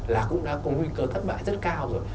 là cũng đã có nguy cơ thất bại rất cao rồi